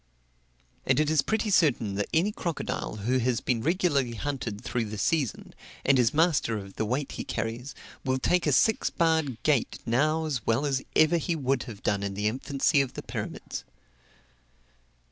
And it is pretty certain that any crocodile, who has been regularly hunted through the season, and is master of the weight he carries, will take a six barred gate now as well as ever he would have done in the infancy of the pyramids.